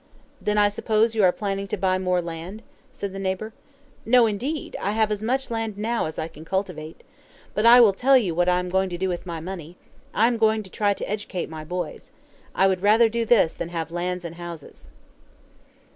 "Then I suppose you are planning to buy more land?" said the neighbor. "No, indeed, I have as much land now as I can cultivate. But I will tell you what I am going to do with my money. I am going to try to educate my boys. I would rather do this than have lands and houses."